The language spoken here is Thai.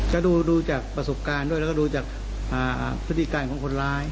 ก็ดูจากประสบการณ์ด้วยแล้วก็ดูจากพฤติการของคนร้าย